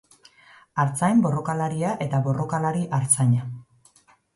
Artzain borrokalaria eta borrokalari artzaina.